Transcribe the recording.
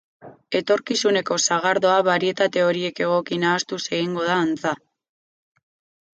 Etorkizuneko sagardoa barietate horiek egoki nahastuz egingo da, antza.